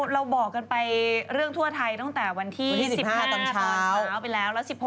เราบอกกันไปเรื่องทั่วไทยตั้งแต่วันที่๑๕ตอนเช้าไปแล้ว๑๖